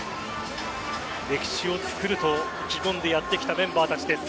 歴史を作ると意気込んでやってきたメンバーたちです。